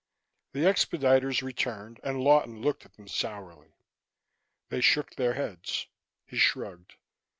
The expediters returned and Lawton looked at them sourly. They shook their heads. He shrugged.